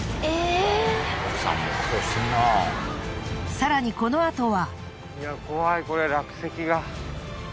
更にこのあとは。